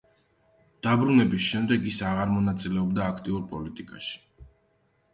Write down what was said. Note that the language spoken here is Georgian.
დაბრუნების შემდეგ ის აღარ მონაწილეობდა აქტიურ პოლიტიკაში.